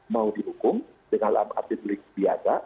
mau dihukum dengan artikel delik biasa